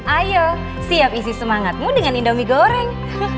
ayo siap isi semangatmu dengan indomie goreng